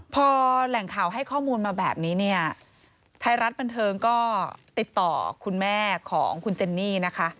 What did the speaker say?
พอแหล่งข่าวให้ข้อมูลมาแบบนี้เนี่ยไทยรัฐบันเทิงก็ติดต่อคุณแม่ของคุณเจนนี่นะคะ